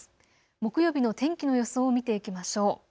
木曜日の天気の予想を見ていきましょう。